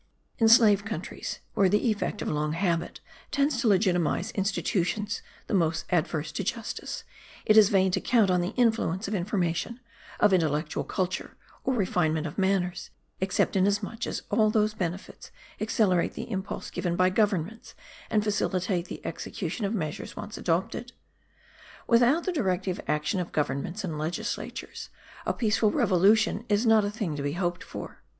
In slave countries, where the effect of long habit tends to legitimize institutions the most adverse to justice, it is vain to count on the influence of information, of intellectual culture, or refinement of manners, except in as much as all those benefits accelerate the impulse given by governments and facilitate the execution of measures once adopted. Without the directive action of governments and legislatures a peaceful revolution is a thing not to be hoped for.